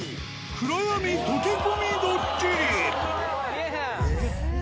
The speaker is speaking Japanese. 暗闇溶け込みドッキリ。